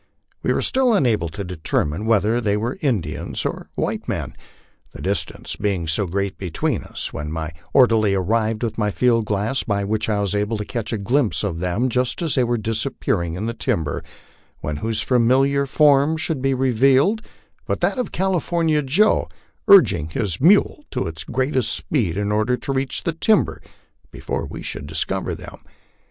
We were still unable to determine whether they were Indians or white men, the distance being so great betweeri us, when my orderly arrived with my field glass, by which I was able to catch a glimpse of them just as they were disappearing in the timber, when whose familiar form should be revealed but that of California Joe, urging his mule to its greatest speed in order to reach the timber before we should discover them.